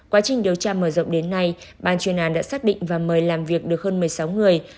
quá trình điều tra mở rộng đến nay ban chuyên án đã xác định và mời làm việc được hơn một mươi sáu người